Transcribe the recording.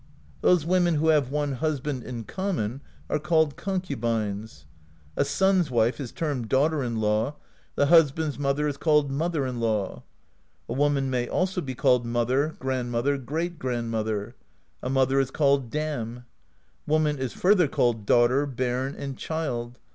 Those women who have one husband in common are called Concubines. A son's wife is termed Daughter in law; the husband's mother is called Mother in law. A woman may also be called Mother, Grand mother, Great Grandmother; a Mother is called Dam. Woman is further called Daughter, Bairn, and Child.